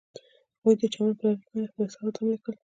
هغوی د چمن پر لرګي باندې خپل احساسات هم لیکل.